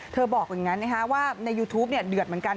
บอกอย่างนั้นว่าในยูทูปเดือดเหมือนกัน